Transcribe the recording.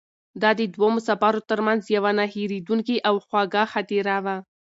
دا د دوو مسافرو تر منځ یوه نه هېرېدونکې او خوږه خاطره وه.